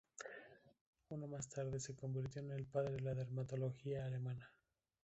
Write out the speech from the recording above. Unna más tarde se convirtió en el padre de la dermatología alemana.